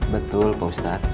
betul pak ustadz